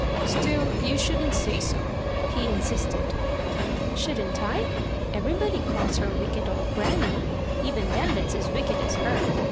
"Still you shouldn't say so," he insisted. "Shouldn't I? Everybody calls her wicked old grannie even them that's as wicked as her.